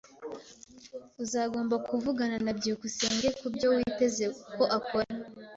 Uzagomba kuvugana na byukusenge kubyo witeze ko akora.